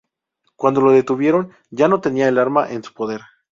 Cuando lo detuvieron ya no tenía el arma en su poder.